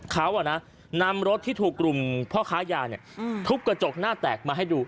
เขานำรถที่ถูกกลุ่มพ่อค้ายาทุบกระจกหน้าแตกมาให้ดู